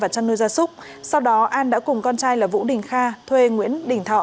và chăn nuôi gia súc sau đó an đã cùng con trai là vũ đình kha thuê nguyễn đình thọ